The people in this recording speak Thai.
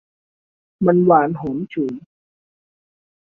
มันหวานหอมฉุย